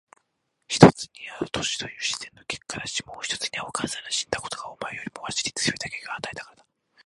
一つには年という自然の結果だし、もう一つにはお母さんの死んだことがお前よりもわしに強い打撃を与えたからだ。